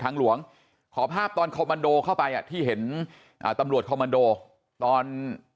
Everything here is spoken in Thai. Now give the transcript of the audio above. หลวงขอภาพตอนคอมมันโดเข้าไปอ่ะที่เห็นอ่าตำรวจคอมมันโดตอน